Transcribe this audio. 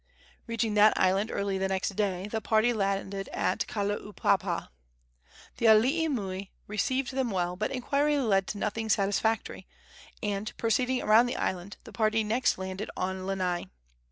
Reaching that island early the next day, the party landed at Kalaupapa. The alii nui received them well, but inquiry led to nothing satisfactory, and, proceeding around the island, the party next landed on Lanai.